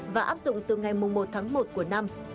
và áp dụng từ ngày một tháng một của năm